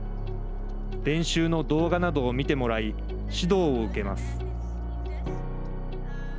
練習の動画などを見てもらい指導を受けます。